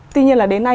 tuy nhiên là đến nay